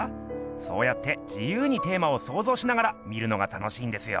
そうやって自由にテーマをそうぞうしながら見るのが楽しいんですよ。